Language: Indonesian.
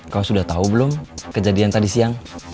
kau sudah tahu belum kejadian tadi siang